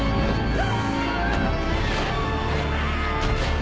あ！